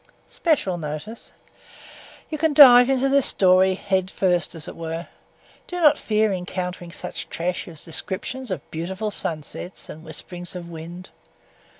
_ SPECIAL NOTICE You can dive into this story head first as it were. Do not fear encountering such trash as descriptions of beautiful sunsets and whisperings of wind.